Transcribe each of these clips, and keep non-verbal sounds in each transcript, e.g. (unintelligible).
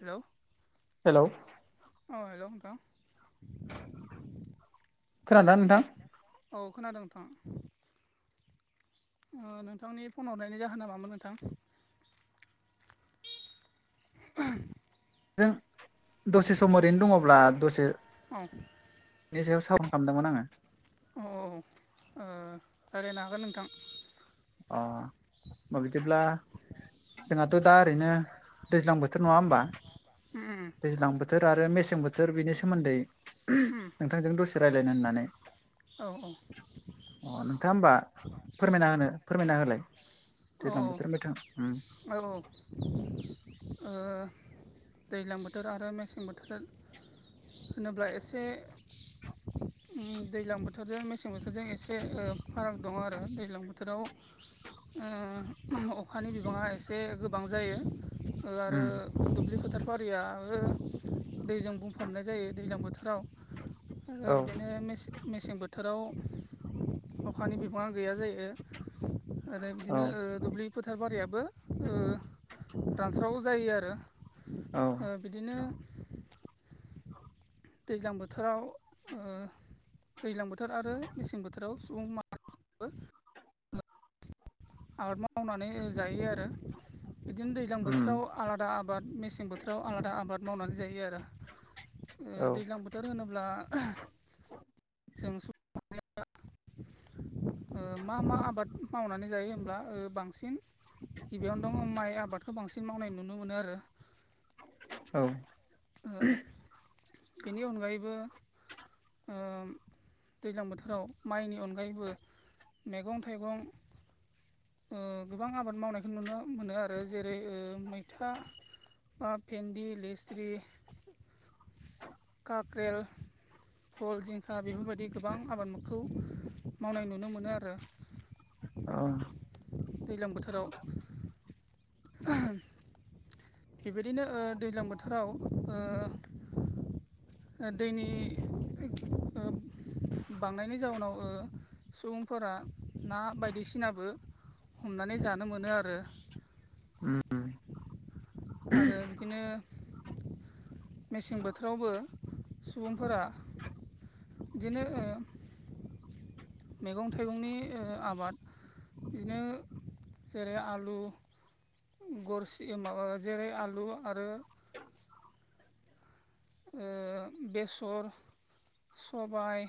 Hello. Hello. अ hello नोंथां। खोनादोना नोंथां? औ खोनादो नोंथां। ओ नोंथांनि फन हरनायनि जाहोना मामोन नोंथां? (unintelligible) जों दसे सम ओरैनो दङ'ब्ला दसे औ (unintelligible) खामदोंमोन आङो। औ ओ रायलानो हागोन नोंथां। अ (unintelligible) बिदिब्ला जोंहाथ' दा ओरैनो दैज्लां बोथोर नङा होमबा? उम उम दैज्लां बोथोर आरो मेसें बोथोर बिनि सोमोन्दै (unintelligible) उम नोंथांजों दसे रायलायनो होननानै औ औ। अ नोंथाङा होमबा फोरमायना होनो फोरमायना होलाय। औ दैज्लां बोथोर मेथां उम औ औ ओ दैज्लां बोथोर आरो मेसें बोथोर होनो होनोब्ला एसे उम दैज्लां बोथोरजों मेसें बोथोरजों एसे ओ फाराग दं आरो दैज्लां बोथोराव उम अखानि बिबाङा एसे गोबां जायो ओ आरो उम दुब्लि फोथार बारियाबो दैजों बुंफबनाय जायो दैज्लां बोथोराव ओ औ बिदिनो मेसे मेसें बोथोराव अखानि बिबाङा गैया जायो ओ औ बिदिनो ओ दुब्लि फोथार बारियाबो ओ रानस्राव जायो आरो। औ। ओ बिदिनो दैज्लां बोथोराव ओ दैलां बोथोर आरो मेसें बोथोराव सुबुं मा आबाद मावनानै जायो आरो बिदिनो दैज्लां उम बोथोराव आलादा आबाद मेसें बोथोराव आलादा आबाद मावनानै जायो आरो ओ औ दैज्लां बोथ बोथोर होनोब्ला (unintelligible) जों (unintelligible) ओ मा मा आबाद मावनानै जायो होनोमब्ला ओ बांसिन गिबियावनो दं माइ आबादखौ बांसिन मावनाय नुनो मोनो आरो। (inaudible) ओ बेनि अनगायैबो ओ दैज्लां बोथोराव माइनि अनगायैबो मैगं थाइगं ओ गोबां आबाद मावनायखौ नुनो मोनो आरो जेरै ओ मैथा बा भेन्दि, लेस्रि, काक्रेल भल, जिंखा बेफोरबायदि गोबां आबादखौ मावनाय नुनो मोनो आरो। औ। दैलां बोथोराव। बेबायदिनो ओ दैज्लां बोथोराव ओ ओ दैनि ओ बांनायनि जाउनाव ओ सुबुंफोरा ना बायदिसिनाबो हमनानै जानो मोनो आरो। उम। आरो बिदिनो मेसें बोथोरावबो सुबुंफोरा बिदिनो ओ मैगं थाइगंनि ओ आबाद बिदिनो जेरै आलु गरसि माबा जेरै आलु आरो बेसर, सबाय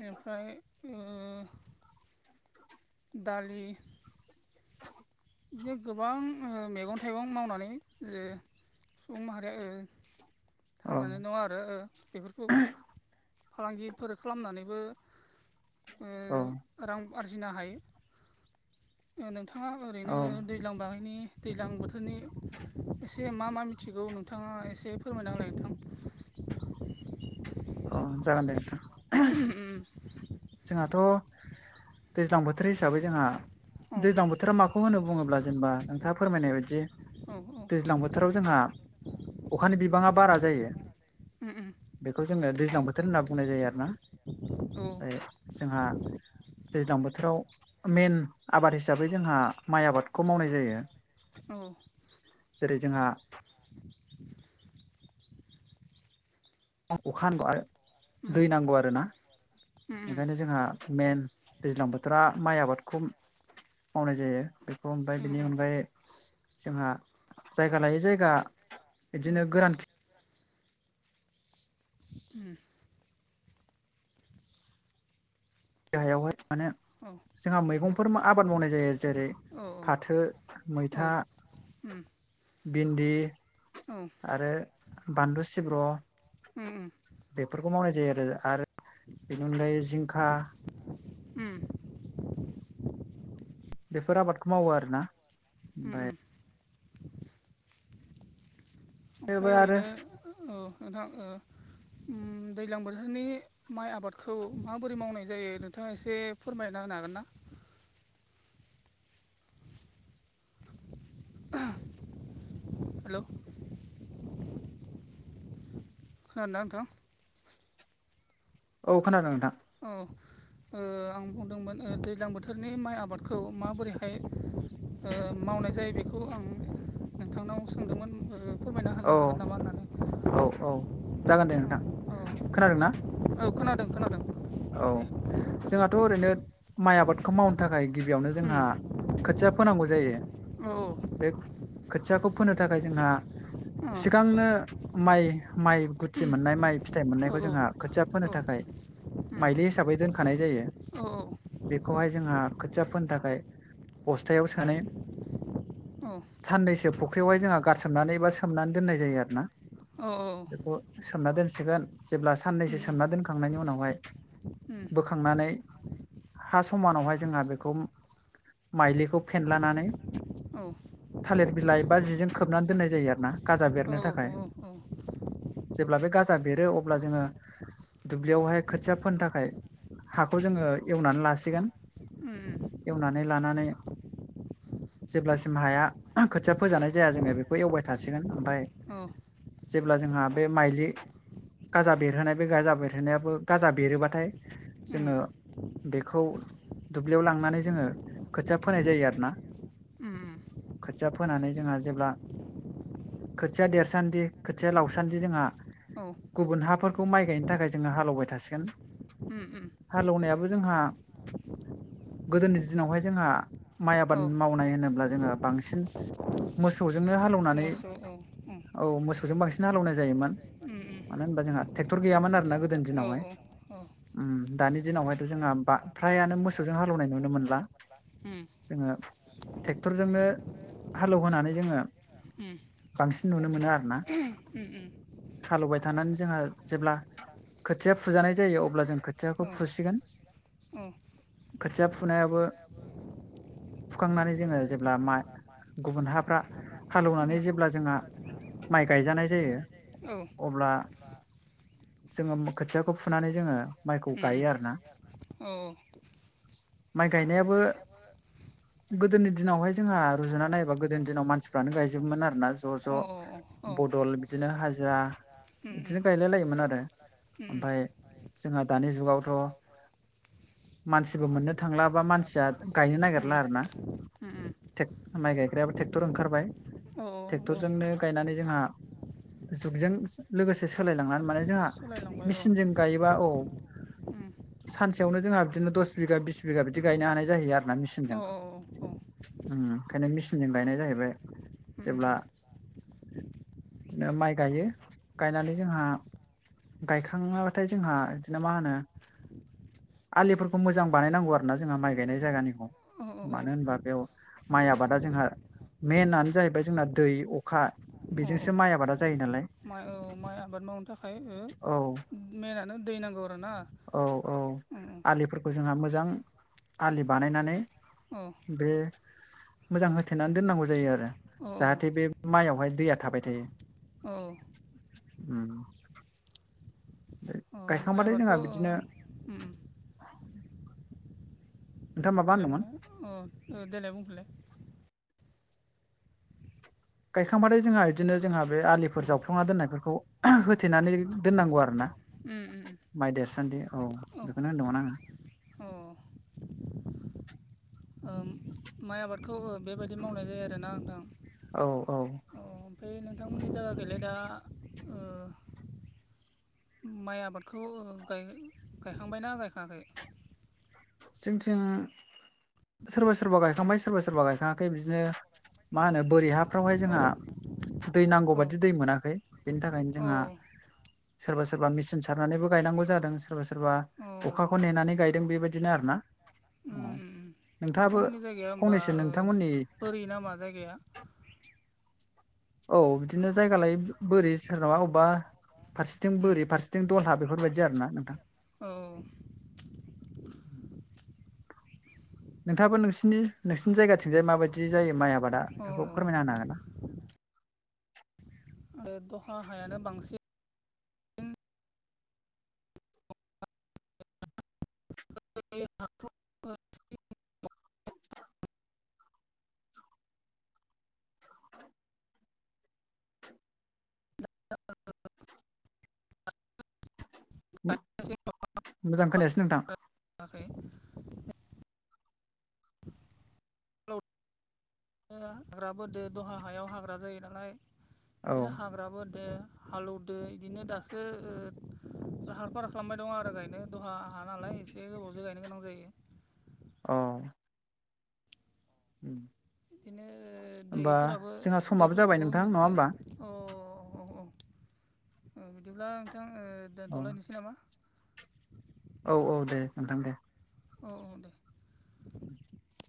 ओमफ्राय ओ दालि बिदिनो गोबां ओ मैगं थाइगं मावनानै जायो। सुबुं माहारिया ओ औ थांनानै दं आरो बेफोरखौ फालांगिफोर खालामनानैबो ओ औ। रां आरजिनो हायो, नोंथाङा औ ओरैनो दै दैज्लां बागैनि दैज्लां बोथोरनि एसे मा मा मिथिगौ नोंथाङा एसे फोरमायना होलाय नोंथां। अ' जागोन दे नोंथां। ओ ओम। जोंहाथ' दैज्लां बो थोर हिसाबै जोंहा औ दैज्लां बोथोरा माखौ होनो बुङोब्ला जेनेबा नोंथाङा फोरमायनाय बायदि औ दैज्लां बोथोराव जोंहा अखानि बिबाङा बारा जायो। बेखौ जोङो दैज्लां बोथोर होनना बुंनाय जायो आरोना। औ ओमफ्राय जोंहा दैज्लां बोथोराव मेन आबाद हिसाबै जोंहा माइ आबादखौ मावनाय जायो। औ। जेरै जोंहा अखा हानांगौ आरो दै नांगौ आरोना। ओंखायनो जोंहा मेन दैज्लां बोथोरा माइ आबादखौ मावनाय जायो। बेखौ ओमफ्राय बिनि अनगायै जोंहा जायगा लायै जायगा बिदिनो गोरान खे उम। गाहायावहाय माने जोंहा मैगंफोर आबाद मावनाय जायो। जेरै औ फाथो, मैथा बिन्दि औ आरो बानलु सिब्र' बेफोरखौ मावनाय जायो आरो, आरो बेनि अनगायै जिंखा ओम। बेफोर आबादखौ मावो आरोना ओम ओमफ्राय ओम थेवबो ओमफ्राय आरो ओरैनो ओ नोंथां ओ‌ दैज्लां बोथोरनि माइ आबादखौ माबोरै मावनाय जायो नोंथाङा एसे फोरमायना होनो हागोन ना? हेलौ। खोनादोंना नोंथां औ खोनादों नोंथां औ। ओ आं बुंदोंमोन ओ दैज्लां बोथोरनि माइ आबादखौ माबोरैहाय ओ मावनाय जायो बेखौ आं नोंथांनाव सोंदोंमोन ओ फोरमायना होनो औ हागोन नामा होननानै औ औ जागोन दे नोंथां। औ खोनादोंना? औ खोनादों खोनादों। औ जोंहाथ' ओरैनो माइ आबादखौ मावनो थाखाय गिबियावनो जोंहा उम खोथिया फोनांगौ जायो औ बे खोथियाखौ फोनो थाखाय जोंहा औ सिगांनो माइ गुथि मोननाय माइ फिथाइ औ मोननायखौ जोंहा खोथिया फोनो थाखाय माइलि हिसाबै दोनखानाय जायो। औ। बेखौहाय जोंहा खोथिया फोनो थाखाय बस्थायाव सोनाय। औ। साननैसो फुख्रियावहाय जोंहा गारसोमनानै एबा सोमनानै दोननाय जायो आरोना औ औ बेखौ। सोमना दोनसिगोन जेब्ला साननैसो सोमना दोनखांनायनि उनावहाय बोखांनानै। हा समानावहाय जोंहा बेखौ माइलिखौ फेनलानानै थालिर बिलाइ बा जिजों खोबनानै दोननाय जायो आरोना गाजा बेरनो थाखाय। जेब्ला बे गाजा बेरो अब्ला जोङो दुब्लियावहाय खोथिया फोनो थाखाय हाखौ जोङो एवनानै लासिगोन उम। एवनानै लानानै। जेब्लासिम हाया खोथिया फोजानाय जाया जोङो बेखौ एवबाय थासिगोन ओमफ्राय। औ जेब्ला जोंहा बे माइलि गाजा बेरहोनाय बे गाजा बेरहोनायाबो गाजा- बेरोबाथाय उम जोङो बेखौ दुब्लियाव लांनानै जोङो खोथिया फोनाय जायो आरोना। उम। खोथिया फोनानै जोंहा जेब्ला। खोथिया देरसान्दि खोथिया लावसान्दि जोंहा औ। गुबुन हाफोरखौ माइ गायनो थाखाय जोङो हालेवबाय थासिगोन उम उम। हालेवनायाबो जोंहा गोदोनि दिनावहाय जोंहा माइ आबाद औ मावनाय होनोब्ला जोङो बांसिन मोसौजोंनो हालौवनानै मोसौ औ उम उम औ मोसौ मोसौजों बांसिन औ उम हालेवनाय जायोमोन मानो होना जोंहा ट्रेक्टर गैयामोना गोदो। औ औ। दानि दिनावहायथ' जोंहा फ्रायानो मोसौजों हालेवनाय नुनो मोनला। उम जोंङो ट्रेक्टरजोंनो हालेवहोनानै जोङो उम बांसिन नुनो मोनो आरोना। उम हालेवबाय थानानै जोंहा जेब्ला खोथिया फुजानाय जायो अब्ला जों औ खोथियाखौ फुसिगोन। औ खोथिया फुनायाबो। फुखांनानै जोङो जेब्ला मा गुबुन हाफ्रा उम हालेवनानै जेब्ला जोंहा माइ गायजानाय जायो। औ उम अब्ला जोङो खोथिया। खौ फुनानै जोङो माइखौ उम गायो आरोना। औ माइ गायनायाबो। गोदोनि दिनावहाय जोंहा रुजुना नायोबा गोदोनि दिनाव मानसिफ्रानो गायजोबोमोन आरोना ज' अ ज'। अ बदल बिदिनो हाजिरा उम बिदिनो गायलाय लायोमोन आरो। उम ओमफाय जोंहा दानि जुगावथ'। मानसिबो मोननो थांला बा मानसिया गायनो उम नागिरला आरोना। उम उम टेग माइ गायग्रायाबो ट्रेकटर ओंखारबाय। औ औ नंगौ ट्रेक्टरजोंनो गायनानै जोंहा जुगजों लोगोसे सोलायलांनानै माने। जोंहा सोलायलांबाय औ मेचिनजों गायोबा औ। उम सानसेयावनो जोंहा बिदिनो दस बिगा बिस बिगा बिदि गायनो हानाय जायो आरोना मेचिनजों। औ औ औ। ओंखायनो मेचिनजों गायनाय जाहैबाय जेब्ला। उम माइ गायो गाइनानै जोंहा। गायखाङाबाथाय जोंहा बिदिनो मा होनो आलिफोरखौ मोजां बानायनांगौ आरो ना जोंहा माइ गायनाय जायगानिखौ औ औ मानोहोनबा बेयाव माइ आबादा जोंहा मेननानो जाहैबाय जोंना दै अखा औ बेजोंसो माइ आबादा जायोनालाय माइ औ माइ आबाद मावनो थाखाय ओमफ्राय औ ओ मेनानो दै नांगौ आरोना उम उम खौ जोंहा मोजां आलि बानायनानै औ बे मोजां होथेनानै दोननांगौ जायो आरो औ जाहाथे बे मायावहाय दैया थाबाय थायो औ उम अ माइ गायखांबाथाय जोंहा आबादखौ ओ बिदिनो उम उम नोंथाङा माबा देलाय होनदोंमोन बुंनाय अ ओ देलाय बुंफिनलाय गायखांबाथाय जोंहा बिदिनो जोंहा बे आलिफोर उम जावफ्रांना दोननायफोरखौ होथेनानै दोननांगौ आरो ना उम उम उम माइ देरसोनदि औ बेखौनो होनदोंमोन आङो अ उम माइ आबादखौ ओ बेबायदि मावनाय जायो आरोना नोंथां औ औ अ ओमफ्राय नोंथांमोननि जायगा गैलाय दा ओ माइ आबादखौ ओ गाय गायखांबायना गायखाङाखै जोंथि सोरबा सोरबा गायखांबाय सोरबा सोरबा गायखाङाखै बिदिनो मा होनो बोरि हाफ्रावहाय औ जोंहा दै नांगौ बादि दै मोनाखै बेनि थाखायनो औ जोंहा सोरबा सोरबा मेचिन सारनानैबो गायनांगौ जादों सोरबा सोरबा औ अखाखौ नेनानै गायदों बेबायदि उम उम नोंथाङाबो नोंथांमोननि जायगाया होमबा फंनैसो ओ नोंथांमोननि बोरि बोरि नामा जायगाया औ बिदिनो जायगालायै बोरि सोरनामा अबावबा फारसेथिं उम बोरि फारसेथिं दलहा बेफोरबायदि आरो ना नोंथां औ नोंथाङाबो नोंसिनि नोंसिनि जायगाथिंजाय माबायदि जायो माइ आबादा औ बेखौ फोरमायना होनो हागोन नामा ओ दहा हायानो बांसिन (unintelligible) हाखौ (unintelligible) मोजां खोनायासै नोंथां आखै हाग्रा बोदो दहा हायाव हाग्रा जायो नालाय औ बिदिनो हाग्रा बोदो हालौदो बिदिनो दासो ओ लाहार फाहार खालामबाय दङ आरो गायनो दहा हा नालाय एसे गोबावजों गायनो गोनां जायो अ उम बिदिनो ओ होमबा दैफोराबो जोंहा समाबो जाबाय दैफोरखौबो नोंथां नङा मोनसे होमबा अ औ औ ओ बिदिब्ला नोंथां ओ औ दोनथ'लायनोसै नामा? औ औ दे नोंथां दे औ औ दे (inaudible)